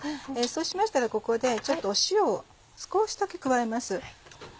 そうしましたらここで塩を少しだけ加えます。